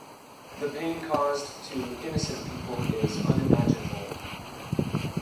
The pain caused to innocent people is unimaginable.